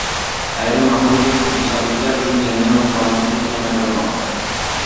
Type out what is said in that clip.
Ayrim ma’muriy huquqbuzarliklar uchun jarima miqdori keskin kamaytirilmoqda